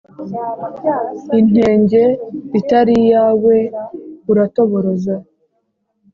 Intenge itari iyawe, uratoboroza.